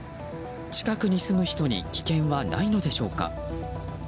近くに住む人に危険はないのでしょうか。